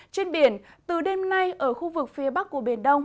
trên biển từ đêm nay ở khu vực phía bắc của biển đông